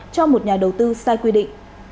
cho một nhà đầu tư sai quy định